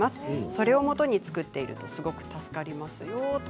それをもとに作っているとすごく助かりますよと。